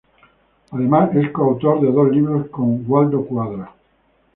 Además es coautor de dos libros con Waldo Cuadra.